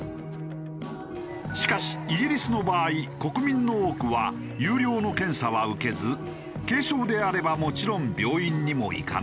しかしイギリスの場合国民の多くは有料の検査は受けず軽症であればもちろん病院にも行かない。